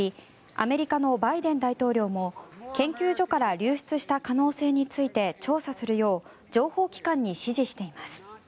アメリカのバイデン大統領も研究所から流出した可能性について調査するよう情報機関に指示しています。